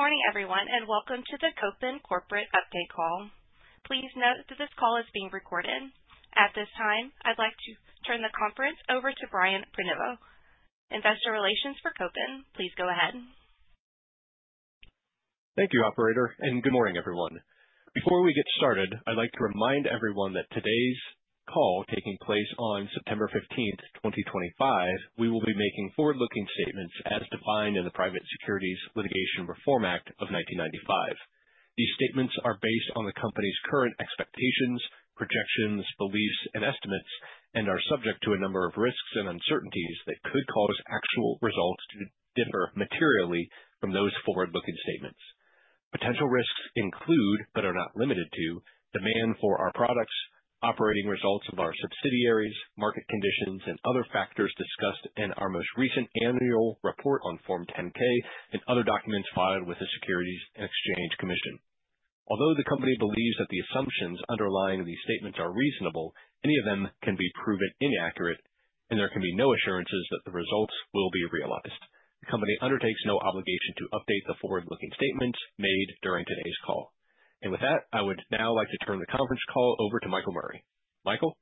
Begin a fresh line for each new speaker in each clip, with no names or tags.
Good morning, everyone, and welcome to the Kopin Corporate Update Call. Please note that this call is being recorded. At this time, I'd like to turn the conference over to Brian Prenoveau, Investor Relations for Kopin. Please go ahead.
Thank you, Operator, and good morning, everyone. Before we get started, I'd like to remind everyone that today's call is taking place on September 15th, 2025. We will be making forward-looking statements as defined in the Private Securities Litigation Reform Act of 1995. These statements are based on the company's current expectations, projections, beliefs, and estimates, and are subject to a number of risks and uncertainties that could cause actual results to differ materially from those forward-looking statements. Potential risks include, but are not limited to, demand for our products, operating results of our subsidiaries, market conditions, and other factors discussed in our most recent annual report on Form 10-K and other documents filed with the Securities and Exchange Commission. Although the company believes that the assumptions underlying these statements are reasonable, any of them can be proven inaccurate, and there can be no assurances that the results will be realized. The company undertakes no obligation to update the forward-looking statements made during today's call. And with that, I would now like to turn the conference call over to Michael Murray. Michael.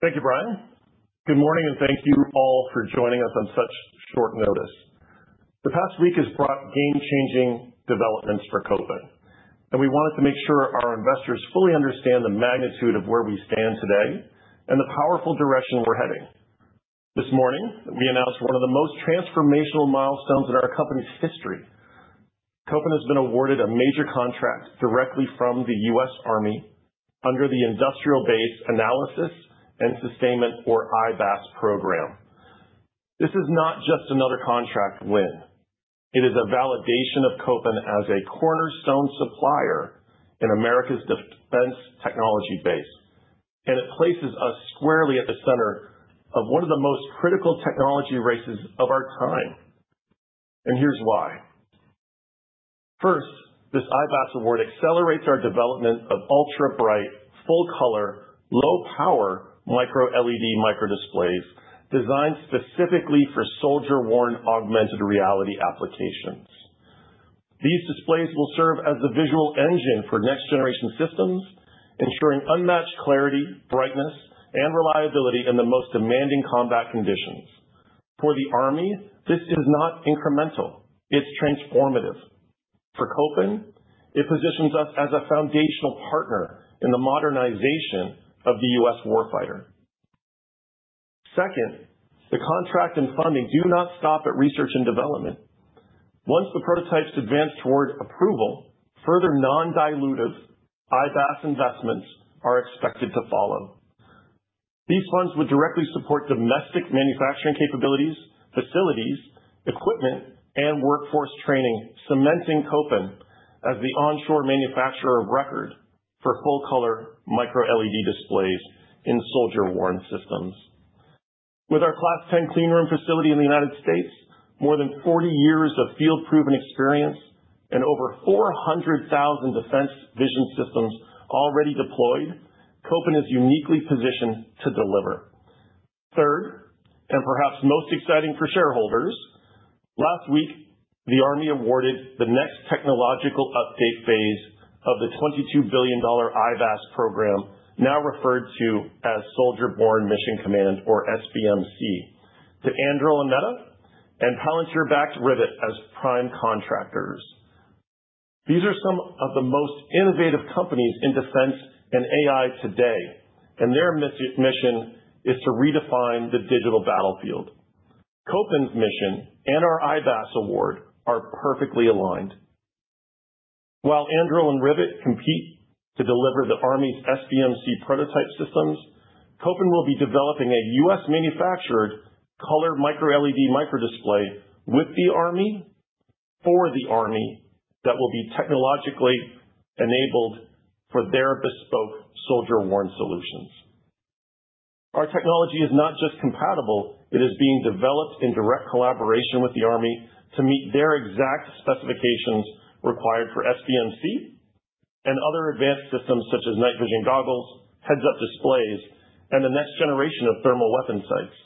Thank you, Brian. Good morning, and thank you all for joining us on such short notice. The past week has brought game-changing developments for Kopin, and we wanted to make sure our investors fully understand the magnitude of where we stand today and the powerful direction we're heading. This morning, we announced one of the most transformational milestones in our company's history. Kopin has been awarded a major contract directly from the U.S. Army under the Industrial Base Analysis and Sustainment, or IBAS, program. This is not just another contract win. It is a validation of Kopin as a cornerstone supplier in America's defense technology base, and it places us squarely at the center of one of the most critical technology races of our time. And here's why. First, this IBAS award accelerates our development of ultra-bright, full-color, low-power micro-LED microdisplays designed specifically for soldier-worn augmented reality applications. These displays will serve as the visual engine for next-generation systems, ensuring unmatched clarity, brightness, and reliability in the most demanding combat conditions. For the Army, this is not incremental. It's transformative. For Kopin, it positions us as a foundational partner in the modernization of the U.S. warfighter. Second, the contract and funding do not stop at research and development. Once the prototypes advance toward approval, further non-dilutive IBAS investments are expected to follow. These funds would directly support domestic manufacturing capabilities, facilities, equipment, and workforce training, cementing Kopin as the onshore manufacturer of record for full-color microLED displays in soldier-worn systems. With our Class 10 cleanroom facility in the United States, more than 40 years of field-proven experience, and over 400,000 defense vision systems already deployed, Kopin is uniquely positioned to deliver. Third, and perhaps most exciting for shareholders, last week, the Army awarded the next technological update phase of the $22 billion IBAS program, now referred to as Soldier Borne Mission Command, or SBMC, to Anduril and Meta and Palantir-backed Rivet as prime contractors. These are some of the most innovative companies in defense and AI today, and their mission is to redefine the digital battlefield. Kopin's mission and our IBAS award are perfectly aligned. While Anduril and Rivet compete to deliver the Army's SBMC prototype systems, Kopin will be developing a U.S.-manufactured color micro-LED microdisplay with the Army, for the Army, that will be technologically enabled for their bespoke soldier-worn solutions. Our technology is not just compatible. It is being developed in direct collaboration with the Army to meet their exact specifications required for SBMC and other advanced systems such as night vision goggles, head-up displays, and the next generation of thermal weapon sights.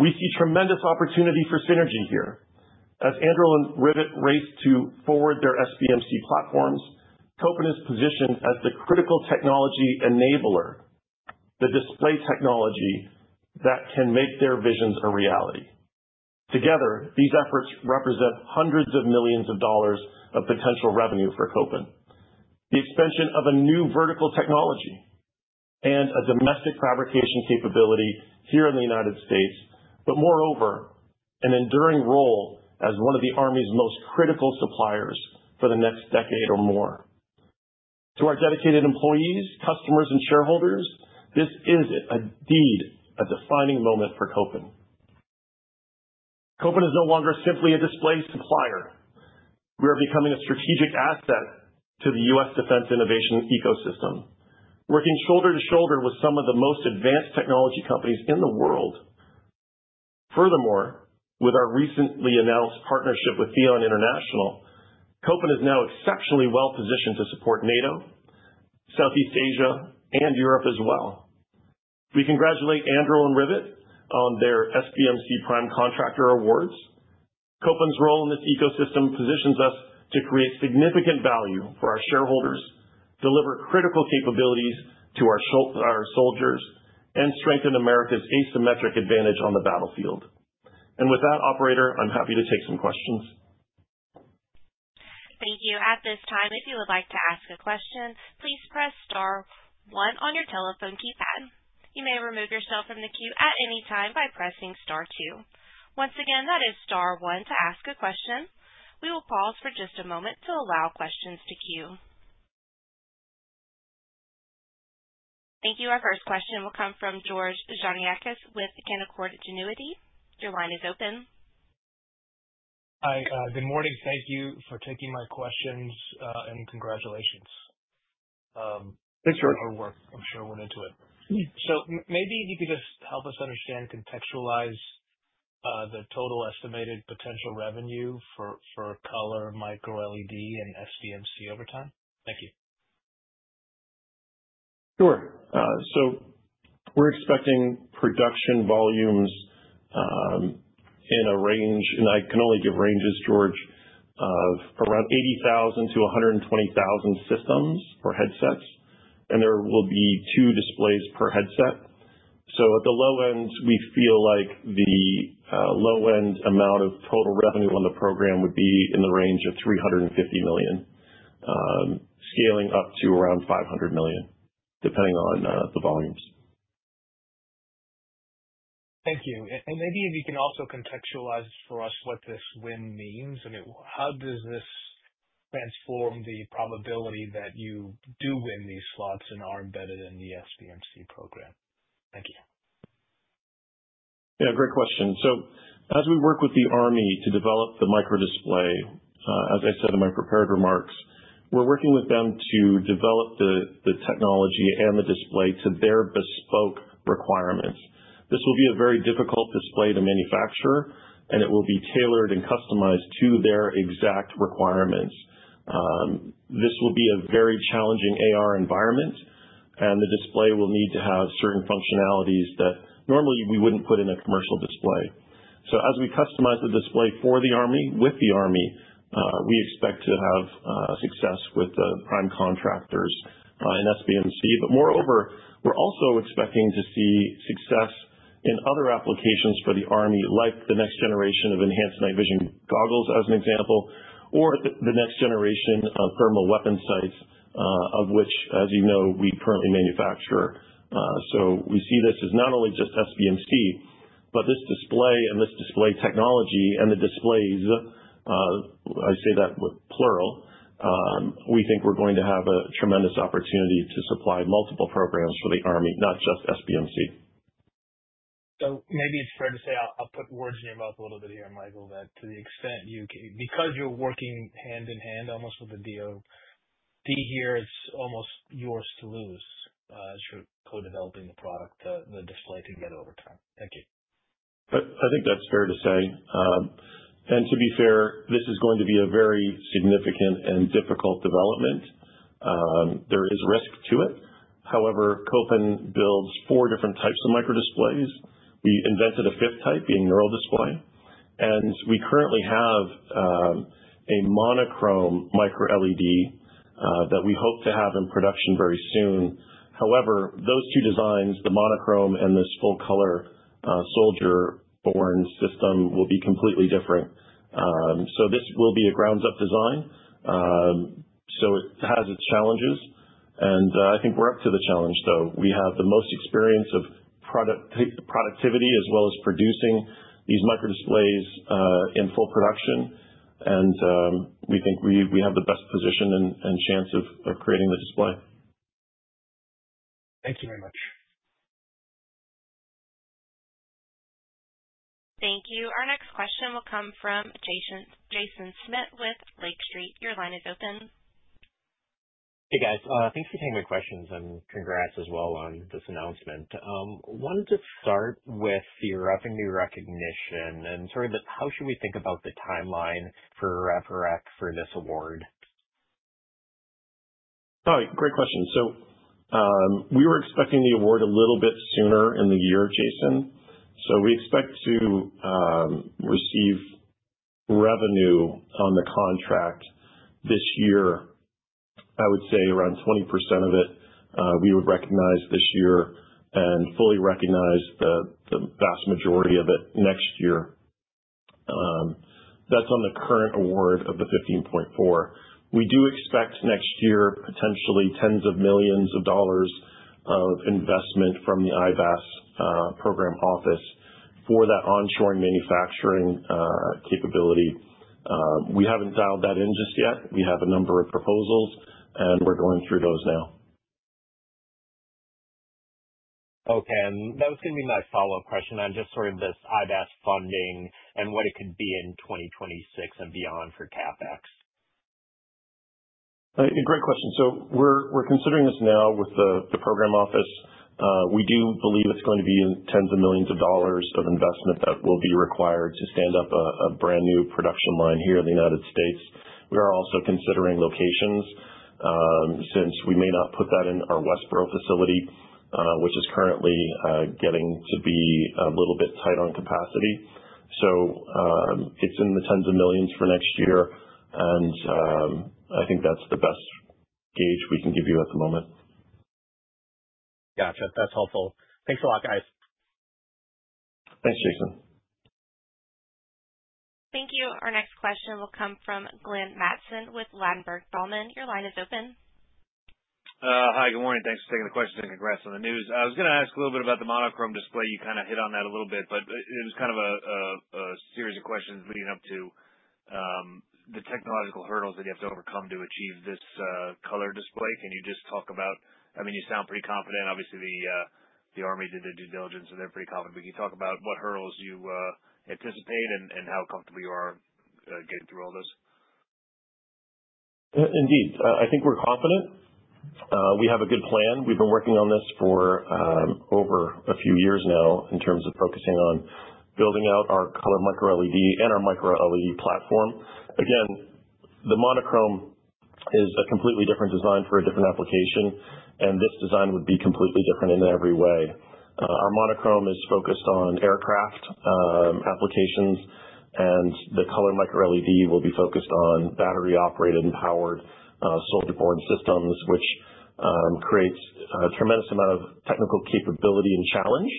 We see tremendous opportunity for synergy here. As Anduril and Rivet race to forward their SBMC platforms, Kopin is positioned as the critical technology enabler, the display technology that can make their visions a reality. Together, these efforts represent hundreds of millions of dollars of potential revenue for Kopin, the expansion of a new vertical technology, and a domestic fabrication capability here in the United States, but moreover, an enduring role as one of the Army's most critical suppliers for the next decade or more. To our dedicated employees, customers, and shareholders, this is indeed a defining moment for Kopin. Kopin is no longer simply a display supplier. We are becoming a strategic asset to the U.S. defense innovation ecosystem, working shoulder to shoulder with some of the most advanced technology companies in the world. Furthermore, with our recently announced partnership with Theon International, Kopin is now exceptionally well-positioned to support NATO, Southeast Asia, and Europe as well. We congratulate Anduril and Rivet on their SBMC Prime Contractor Awards. Kopin's role in this ecosystem positions us to create significant value for our shareholders, deliver critical capabilities to our soldiers, and strengthen America's asymmetric advantage on the battlefield. And with that, Operator, I'm happy to take some questions.
Thank you. At this time, if you would like to ask a question, please press star one on your telephone keypad. You may remove yourself from the queue at any time by pressing star two. Once again, that is star one to ask a question. We will pause for just a moment to allow questions to queue. Thank you. Our first question will come from George Gianarikas with Canaccord Genuity. Your line is open.
Hi. Good morning. Thank you for taking my questions and congratulations on our work. I'm sure it went into it. So maybe if you could just help us understand and contextualize the total estimated potential revenue for color micro-LED and SBMC over time. Thank you.
Sure. We're expecting production volumes in a range, and I can only give ranges, George, of around 80,000-120,000 systems or headsets, and there will be two displays per headset. At the low end, we feel like the low-end amount of total revenue on the program would be in the range of $350 million, scaling up to around $500 million, depending on the volumes.
Thank you. And maybe if you can also contextualize for us what this win means. I mean, how does this transform the probability that you do win these slots and are embedded in the SBMC program? Thank you.
Yeah, great question. So as we work with the Army to develop the micro-display, as I said in my prepared remarks, we're working with them to develop the technology and the display to their bespoke requirements. This will be a very difficult display to manufacture, and it will be tailored and customized to their exact requirements. This will be a very challenging AR environment, and the display will need to have certain functionalities that normally we wouldn't put in a commercial display. So as we customize the display for the Army, with the Army, we expect to have success with the prime contractors in SBMC. But moreover, we're also expecting to see success in other applications for the Army, like the next generation of enhanced night vision goggles, as an example, or the next generation of thermal weapon sights, of which, as you know, we currently manufacture. So we see this as not only just SBMC, but this display and this display technology and the displays (I say that with plural) we think we're going to have a tremendous opportunity to supply multiple programs for the Army, not just SBMC.
So maybe it's fair to say I'll put words in your mouth a little bit here, Michael, that to the extent you can, because you're working hand in hand almost with the DOD here, it's almost yours to lose as you're co-developing the product, the display together over time. Thank you.
I think that's fair to say. And to be fair, this is going to be a very significant and difficult development. There is risk to it. However, Kopin builds four different types of micro-displays. We invented a fifth type, being NeuralDisplay, and we currently have a monochrome micro-LED that we hope to have in production very soon. However, those two designs, the monochrome and this full-color soldier-borne system, will be completely different. So this will be a ground-up design. So it has its challenges, and I think we're up to the challenge. So we have the most experience of productivity as well as producing these micro-displays in full production, and we think we have the best position and chance of creating the display.
Thank you very much.
Thank you. Our next question will come from Jaeson Schmidt with Lake Street. Your line is open.
Hey, guys. Thanks for taking my questions, and congrats as well on this announcement. I wanted to start with the revenue recognition and sort of how should we think about the timeline for FRF for this award?
All right. Great question. So we were expecting the award a little bit sooner in the year, Jaeson. So we expect to receive revenue on the contract this year. I would say around 20% of it we would recognize this year and fully recognize the vast majority of it next year. That's on the current award of the $15.4. We do expect next year potentially tens of millions of dollars of investment from the IBAS program office for that onshoring manufacturing capability. We haven't dialed that in just yet. We have a number of proposals, and we're going through those now.
Okay. And that was going to be my follow-up question on just sort of this IBAS funding and what it could be in 2026 and beyond for CapEx.
Great question. So we're considering this now with the program office. We do believe it's going to be tens of millions of dollars of investment that will be required to stand up a brand new production line here in the United States. We are also considering locations since we may not put that in our Westborough facility, which is currently getting to be a little bit tight on capacity. So it's in the tens of millions for next year, and I think that's the best gauge we can give you at the moment.
Gotcha. That's helpful. Thanks a lot, guys.
Thanks, Jason.
Thank you. Our next question will come from Glenn Mattson with Ladenburg Thalmann. Your line is open.
Hi. Good morning. Thanks for taking the question and congrats on the news. I was going to ask a little bit about the monochrome display. You kind of hit on that a little bit, but it was kind of a series of questions leading up to the technological hurdles that you have to overcome to achieve this color display. Can you just talk about—I mean, you sound pretty confident. Obviously, the Army did the due diligence, so they're pretty confident. But can you talk about what hurdles you anticipate and how comfortable you are getting through all this?
Indeed. I think we're confident. We have a good plan. We've been working on this for over a few years now in terms of focusing on building out our color micro-LED and our micro-LED platform. Again, the monochrome is a completely different design for a different application, and this design would be completely different in every way. Our monochrome is focused on aircraft applications, and the color micro-LED will be focused on battery-operated and powered soldier-borne systems, which creates a tremendous amount of technical capability and challenge.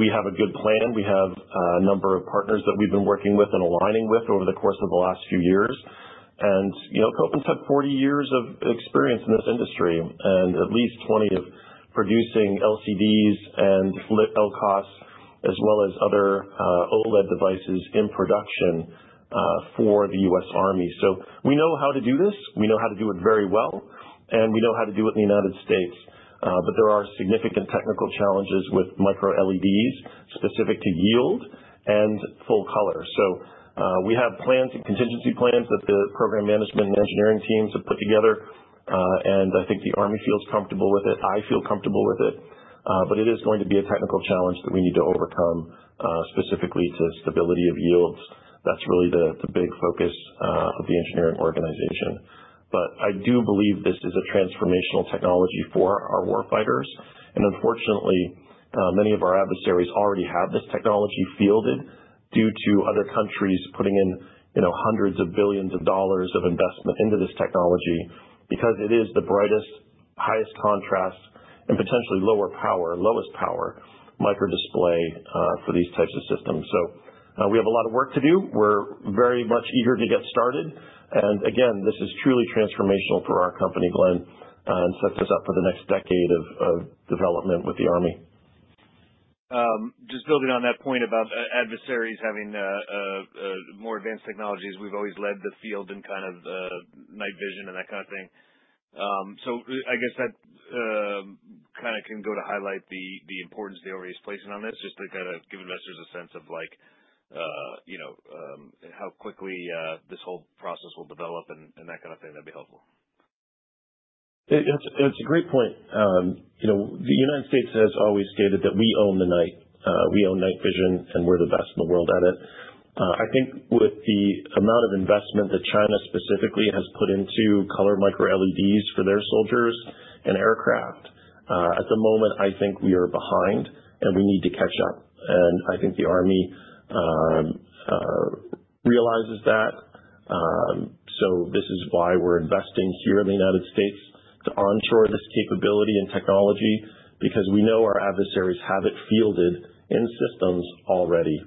We have a good plan. We have a number of partners that we've been working with and aligning with over the course of the last few years, and Kopin's had 40 years of experience in this industry and at least 20 of producing LCDs and LCOS, as well as other OLED devices in production for the U.S. Army. So we know how to do this. We know how to do it very well, and we know how to do it in the United States. But there are significant technical challenges with micro-LEDs specific to yield and full color. So we have plans and contingency plans that the program management and engineering teams have put together, and I think the Army feels comfortable with it. I feel comfortable with it. But it is going to be a technical challenge that we need to overcome, specifically to stability of yields. That's really the big focus of the engineering organization. But I do believe this is a transformational technology for our warfighters. And unfortunately, many of our adversaries already have this technology fielded due to other countries putting in hundreds of billions of dollars of investment into this technology because it is the brightest, highest contrast, and potentially lower power, lowest power micro-display for these types of systems. So we have a lot of work to do. We're very much eager to get started. And again, this is truly transformational for our company, Glenn, and sets us up for the next decade of development with the Army.
Just building on that point about adversaries having more advanced technologies, we've always led the field in kind of night vision and that kind of thing. So I guess that kind of can go to highlight the importance the Army is placing on this, just to kind of give investors a sense of how quickly this whole process will develop and that kind of thing. That'd be helpful.
It's a great point. The United States has always stated that we own the night. We own night vision, and we're the best in the world at it. I think with the amount of investment that China specifically has put into color micro-LEDs for their soldiers and aircraft, at the moment, I think we are behind, and we need to catch up. And I think the Army realizes that. So this is why we're investing here in the United States to onshore this capability and technology because we know our adversaries have it fielded in systems already.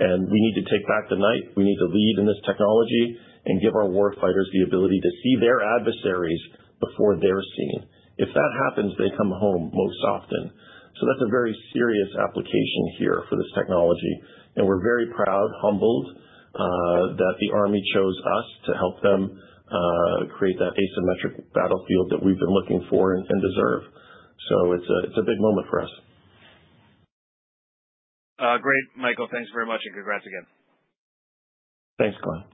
And we need to take back the night. We need to lead in this technology and give our warfighters the ability to see their adversaries before they're seen. If that happens, they come home most often. So that's a very serious application here for this technology. And we're very proud, humbled that the Army chose us to help them create that asymmetric battlefield that we've been looking for and deserve. So it's a big moment for us.
Great, Michael. Thanks very much, and congrats again.
Thanks, Glenn.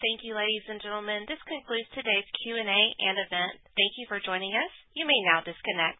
Thank you, ladies and gentlemen. This concludes today's Q&A and event. Thank you for joining us. You may now disconnect.